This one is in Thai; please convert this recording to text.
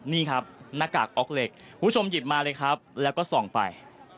นี่ครับหน้ากากออกเหล็กคุณผู้ชมหยิบมาเลยครับแล้วก็ส่องไป